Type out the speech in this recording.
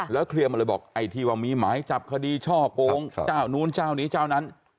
เคลียร์มาเลยบอกไอ้ที่ว่ามีหมายจับคดีช่อโกงเจ้านู้นเจ้านี้เจ้านั้น